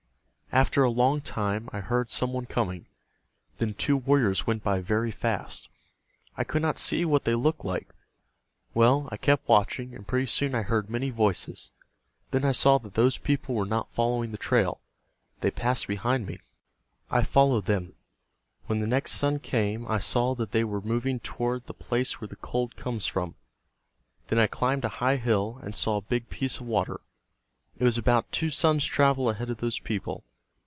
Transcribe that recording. After a long time I heard some one coming. Then two warriors went by very fast. I could not see what they looked like. Well, I kept watching, and pretty soon I heard many voices. Then I saw that those people were not following the trail. They passed behind me. I followed them. When the next sun came I saw that they were moving toward The Place Where The Cold Comes From. Then I climbed a high hill, and saw a big piece of water. It was about two suns' travel ahead of those people.